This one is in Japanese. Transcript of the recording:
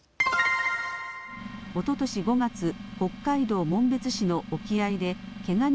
おととし５月、北海道紋別市の沖合で毛ガニ